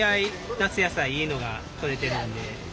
夏野菜いいのが採れてるんで。